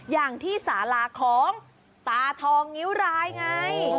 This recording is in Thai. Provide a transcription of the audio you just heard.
อย่างที่สาลาของตาทองนิ้วรายไง